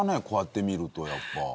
こうやって見るとやっぱ。